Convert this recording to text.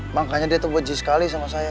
makanya dia tuh beji sekali sama saya